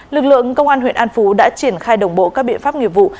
lực lượng công an huyện an phú đã triển khai đồng bộ các biện pháp nghiệp vụ